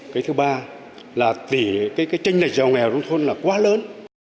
cái thứ ba là cái tranh lệch giàu nghèo nông thôn là quá lớn